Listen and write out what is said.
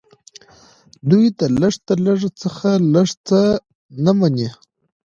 دوی د لږ تر لږه څخه لږ څه نه مني